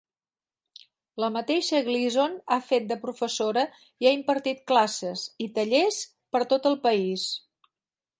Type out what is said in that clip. La mateixa Gleason ha fet de professora i ha impartit classes i tallers per tot el país.